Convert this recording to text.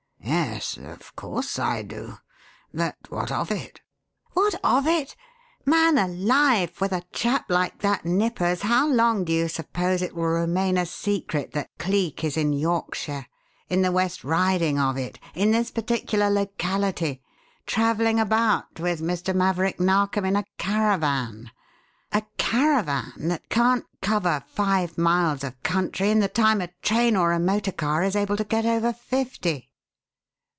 "Yes. Of course I do. But what of it?" "What of it? Man alive, with a chap like that Nippers, how long do you suppose it will remain a secret that Cleek is in Yorkshire? In the West Riding of it? In this particular locality? Travelling about with Mr. Maverick Narkom in a caravan a caravan that can't cover five miles of country in the time a train or a motor car is able to get over fifty!"